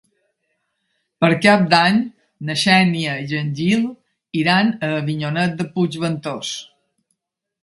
Per Cap d'Any na Xènia i en Gil iran a Avinyonet de Puigventós.